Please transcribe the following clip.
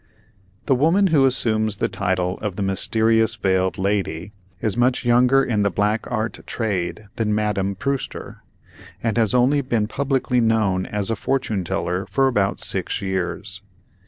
The woman who assumes the title of "The Mysterious Veiled Lady," is much younger in the Black Art trade than Madame Prewster, and has only been publicly known as a "Fortune Teller" for about six years.